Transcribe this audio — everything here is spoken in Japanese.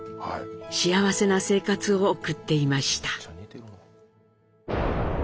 幸せな生活を送っていました。